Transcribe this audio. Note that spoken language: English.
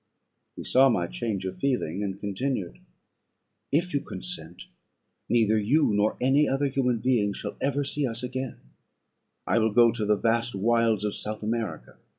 He saw my change of feeling, and continued "If you consent, neither you nor any other human being shall ever see us again: I will go to the vast wilds of South America.